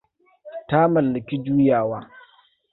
Ta mallaki Juyawa.